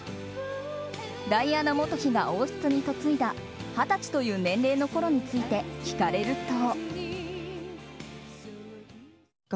ダイアナ元妃が王室に嫁いだ二十歳という年齢のころについて聞かれると。